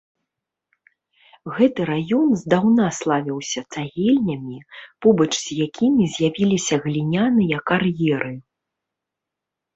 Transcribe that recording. Гэты раён здаўна славілася цагельнямі, побач з якімі з'явіліся гліняныя кар'еры.